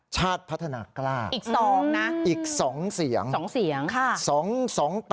ชาติพัฒนากล้าอีก๒เสียง